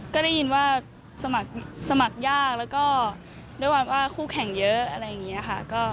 ก็ได้ยินว่าสมัครสมัครยากแล้วก็ด้วยความว่าคู่แข่งเยอะอะไรอย่างนี้ค่ะ